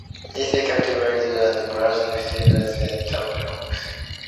Diesel came to Michaels' aid and clotheslined Sid over the top rope.